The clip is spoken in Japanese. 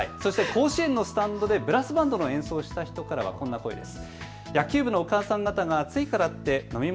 甲子園のスタンドでブラスバンドの演奏をした人からはこんな声です。